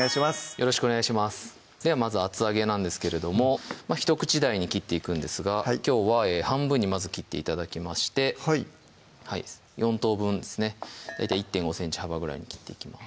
よろしくお願いしますではまず厚揚げなんですけれども１口大に切っていくんですがきょうは半分にまず切って頂きまして４等分ですね大体１．５ｃｍ幅ぐらいに切っていきます